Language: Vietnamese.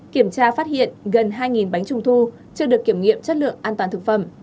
kiểm tra phát hiện gần hai bánh trung thu chưa được kiểm nghiệm chất lượng an toàn thực phẩm